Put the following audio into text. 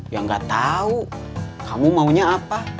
ya enggak tahu kamu maunya apa